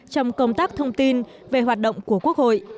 trong công tác thông tin về hoạt động của quốc hội